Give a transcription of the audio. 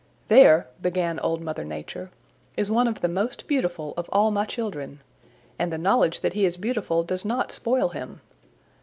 "There," began Old Mother Nature, "is one of the most beautiful of all my children, and the knowledge that he is beautiful does not spoil him.